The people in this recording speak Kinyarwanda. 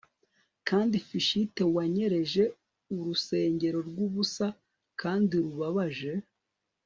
Kandi Fichte wanyereje urusengero rwubusa kandi rubabaje